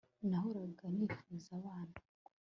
Nahoraga nifuza abana